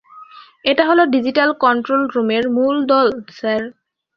এটা হল digital control রুমের মূল দল, স্যার।